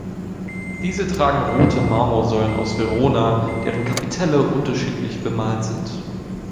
Diese tragen rote Marmorsäulen aus Verona, deren Kapitelle unterschiedlich bemalt sind.